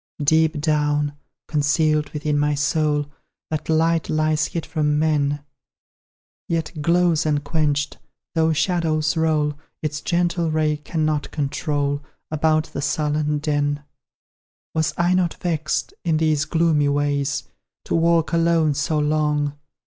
Deep down, concealed within my soul, That light lies hid from men; Yet glows unquenched though shadows roll, Its gentle ray cannot control About the sullen den. Was I not vexed, in these gloomy ways To walk alone so long?